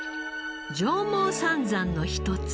上毛三山の一つ